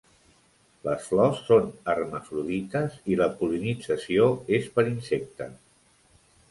Les flors són hermafrodites, i la pol·linització és per insectes.